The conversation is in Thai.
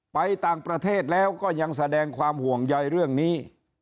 ไปต่างประเทศแล้วก็ยังแสดงความห่วงใยเรื่องนี้